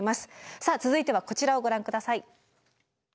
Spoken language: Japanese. さあ続いてはこちらをご覧下さい。